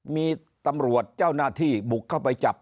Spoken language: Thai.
มีตำรวจเจ้าหน้าที่บุกเข้าไปจับ